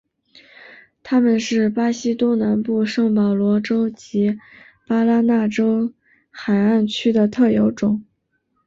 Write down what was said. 它们是巴西东南部圣保罗州及巴拉那州海岸区的特有种。